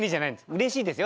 うれしいですよ